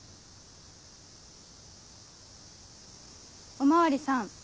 お巡りさん